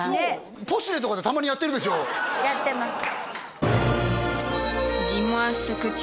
「ポシュレ」とかでたまにやってるやってます